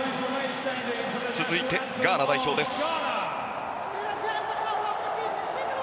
続いて、ガーナ代表です。